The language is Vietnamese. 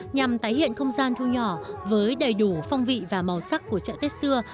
nhằm tái hiện không gian thu nhỏ với đầy đủ phong vị và màu sắc của chợ tết xưa